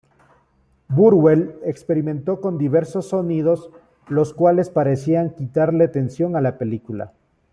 Burwell experimentó con diversos sonidos los cuales parecían quitarle tensión a la película.